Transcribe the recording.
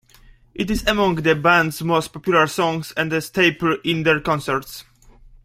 It is among the band's most popular songs and a staple in their concerts.